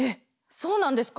そうなんですか？